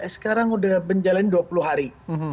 sekarang udah menjalani dua puluh hari